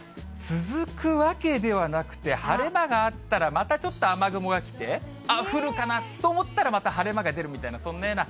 続くわけではなくて、晴れ間があったらまたちょっと雨雲が来て、あっ、降るかなと思ったら、また晴れ間が出るみたいな、そんなような。